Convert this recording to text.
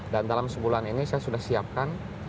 dan dalam sebulan ini saya sudah siapkan